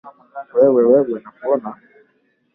natuma salamu zangu za pole kwa wote